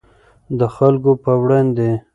د خلکو په وړاندې.